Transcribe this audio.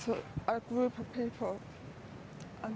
dengan grup orang